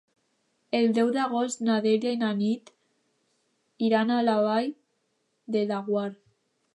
El deu d'agost na Dèlia i na Nit iran a la Vall de Laguar.